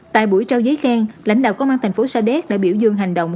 tại buổi trao giấy khen lãnh đạo công an thành phố sa đéc đã biểu dương hành động